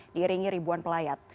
diiringi ribuan pelayat